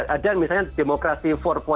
ada misalnya demokrasi empat